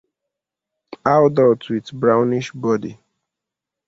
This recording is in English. Adult with brownish body.